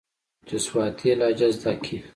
چې سواتي لهجه زده کي.